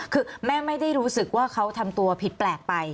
คือแม่ไม่ได้รู้สึกว่าเขาทำตัวผิดแปลกไป